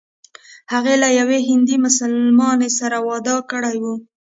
هغې له یوه هندي مسلمان سره واده کړی و.